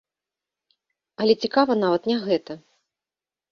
Але цікава нават не гэта.